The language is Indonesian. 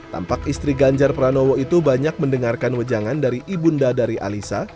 tampak istri ganjar pranowo itu banyak mendengarkan wejangan dari ibunda dari alisa